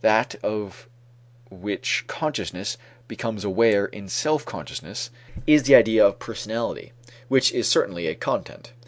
That of which consciousness becomes aware in self consciousness is the idea of the personality, which is certainly a content.